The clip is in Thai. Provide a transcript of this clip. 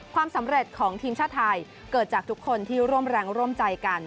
ความสำเร็จของทีมชาติไทยเกิดจากทุกคนที่ร่วมแรงร่วมใจกัน